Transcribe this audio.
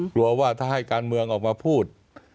กลัวว่าถ้าให้การเมืองออกมาพูด